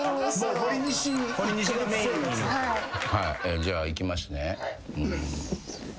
じゃあいきますね。